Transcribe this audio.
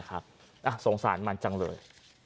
ครับอ่ะสงสารมันจังเลย